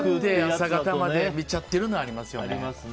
朝方まで見ちゃってるのはありますよね。